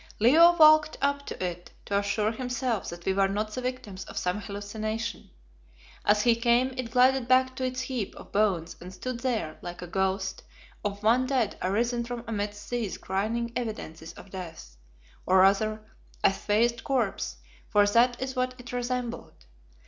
Leo walked up to it to assure himself that we were not the victims of some hallucination. As he came it glided back to its heap of bones and stood there like a ghost of one dead arisen from amidst these grinning evidences of death, or rather a swathed corpse, for that is what it resembled.